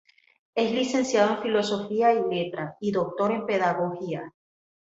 Es licenciado en Filosofía y Letras y doctor en Pedagogía.